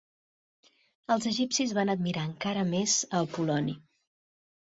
Els egipcis van admirar encara més a Apol·loni.